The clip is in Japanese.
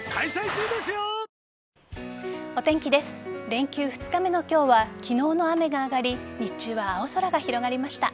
連休２日目の今日は昨日の雨があがり日中は青空が広がりました。